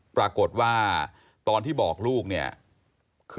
ปรากฏว่าตอนที่บอกลูก